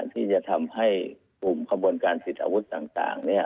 ที่จะทำให้ภูมิขบวนการสิทธิอาวุธต่าง